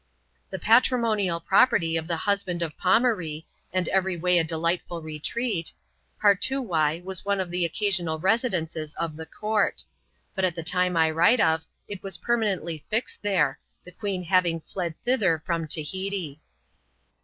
The patrimonial property of [the husband of Pomaree, and every way a delightful retreat, Partoowye was one of the occasional residences of the court. But at the time I write of, it was permanently fixed there, the queen having fled thither from Tahiti.